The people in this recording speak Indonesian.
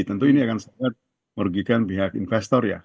tentu ini akan sangat merugikan pihak investor ya